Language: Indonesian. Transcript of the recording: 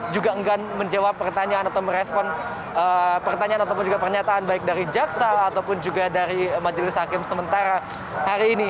juga enggan menjawab pertanyaan atau merespon pertanyaan ataupun juga pernyataan baik dari jaksa ataupun juga dari majelis hakim sementara hari ini